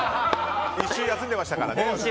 １週休んでいましたからね。